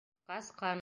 Ҡаскан!